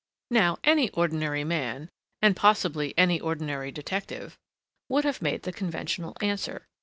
Now any ordinary man, and possibly any ordinary detective, would have made the conventional answer.